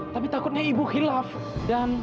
tapi takutnya ibu khilaf dan